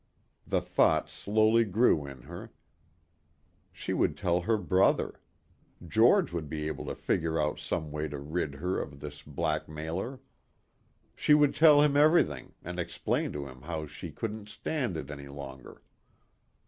The thought slowly grew in her she would tell her brother. George would be able to figure out some way to rid her of this blackmailer. She would tell him everything and explain to him how she couldn't stand it any longer.